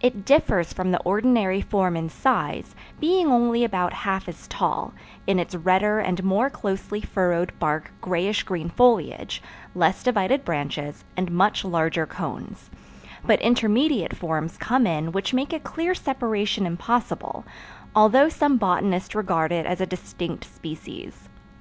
It differs from the ordinary form in size, being only about half as tall, in its redder and more closely furrowed bark grayish green foliage, less divided branches, and much larger cones; but intermediate forms come in which make a clear separation impossible, although some botanists regard it as a distinct species.